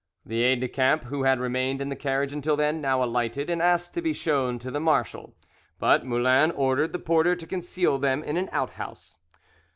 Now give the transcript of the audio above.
The aides de camp, who had remained in the carriage until then, now alighted, and asked to be shown to the marshal; but Moulin ordered the porter to conceal them in an outhouse.